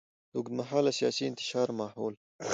د اوږدمهاله سیاسي انتشار ماحول.